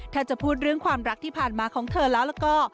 ถ้าจะพูดเรื่องความรักที่ผ่านมาของเธอแล้วแล้วก็